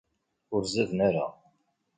Ur zaden ara.